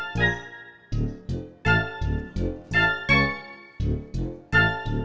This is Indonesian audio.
kita sudah berjuang banyak kali